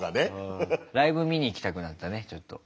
ライブ見に行きたくなったねちょっと。